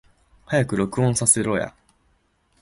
早く録音させろや